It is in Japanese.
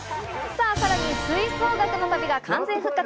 さらに吹奏楽の旅が完全復活。